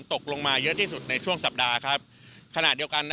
ได้จัดเตรียมความช่วยเหลือประบบพิเศษสี่ชน